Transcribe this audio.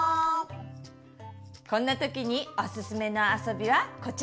こんな時におすすめのあそびはこちら！